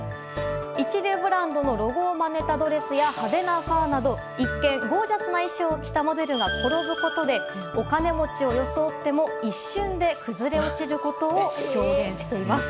一流ブランドのロゴをまねたドレスや派手なファーなど一見、ゴージャスな衣装を着たモデルが転ぶことでお金持ちを装っても一瞬で崩れ落ちることを表現しています。